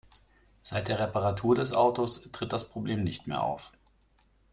Seit der Reparatur des Autos tritt das Problem nicht mehr auf.